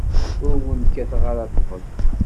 Ur wen-kkateɣ ara ṭṭbel.